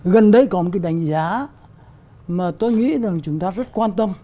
gần đây có một cái đánh giá mà tôi nghĩ rằng chúng ta rất quan tâm